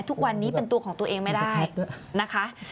ทุกวันนี้เป็นตัวของตัวเองไม่ได้นะคะ